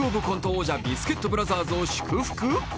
王者ビスケットブラザーズを祝福！？